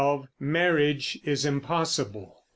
MARRIAGE IS IMPOSSIBLE.